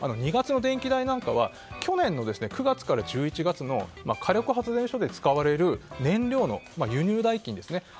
２月の電気代は、去年９月から１１月の火力発電所で使われる燃料の輸入代金ですね。